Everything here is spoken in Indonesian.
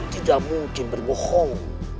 tidak mungkin bermohon